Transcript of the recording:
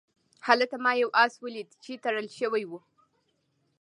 هلته ما یو آس ولید چې تړل شوی و.